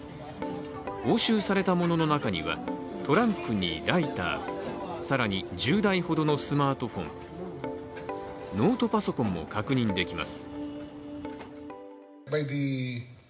押収されたものの中にはトランプにライター、更に１０台ほどのスマートフォンノートパソコンも確認できます。